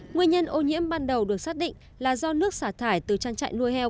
nguyên nhân ô nhiễm ban đầu được xác định là do nước xả thải từ trang trại nuôi heo